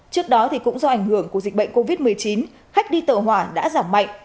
trước đó cũng do ảnh hưởng của dịch bệnh covid một mươi chín khách đi tàu hỏa đã giảm mạnh